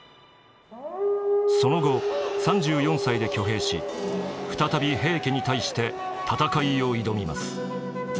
その後３４歳で挙兵し再び平家に対して戦いを挑みます。